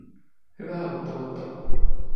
Hyvää uutta vuotta